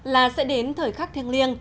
là sẽ đến thời khắc thiêng liêng